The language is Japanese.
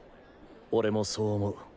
俺もそう思う。